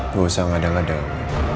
gak usah ngadeng ngadeng